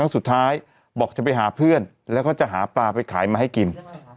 สุดท้ายบอกจะไปหาเพื่อนแล้วก็จะหาปลาไปขายมาให้กิน